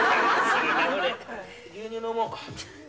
牛乳飲もう。